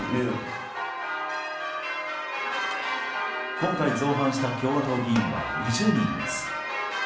今回、造反した共和党議員は２０人います。